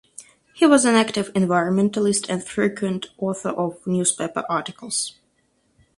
He was an active environmentalist and frequent author of newspaper articles.